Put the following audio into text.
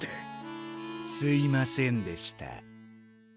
すいませんでした。